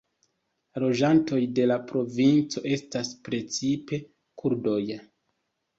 La loĝantoj de la provinco estas precipe kurdoj.